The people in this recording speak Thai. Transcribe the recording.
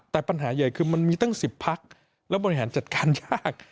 แต่ปัญหาใหญ่คือมันมีตั้ง๑๐พักแล้วบริหารจัดการยาก